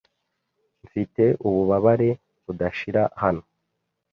Mfite ububabare budashira hano.